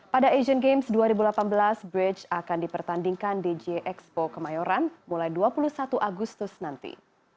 pada asian games dua ribu delapan belas bridge akan dipertandingkan dj expo kemayoran mulai dua puluh satu agustus nanti